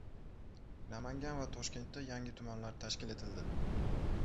Namangan va Toshkentda yangi tumanlar tashkil etildi